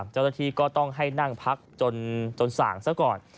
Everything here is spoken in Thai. เจ้าหน้าที่ก็ต้องให้นั่งพักจนส่างซะก่อน